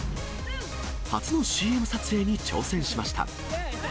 初のＣＭ撮影に挑戦しました。